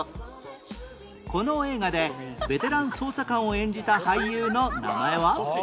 この映画でベテラン捜査官を演じた俳優の名前は？